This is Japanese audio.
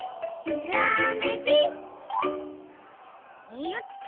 いよっと。